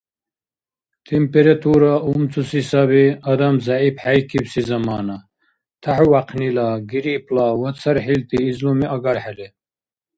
Температура умцуси саби адам зягӀипхӀейкибси замана, тяхӀувяхънила, гриппла ва цархӀилти излуми агархӀели.